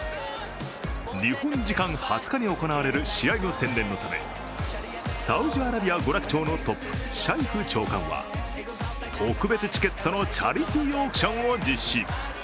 日本時間２０日に行われる試合の宣伝のためサウジアラビア娯楽庁のトップシャイフ長官は特別チケットのチャリティーオークションを実施。